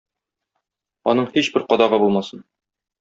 Аның һичбер кадагы булмасын.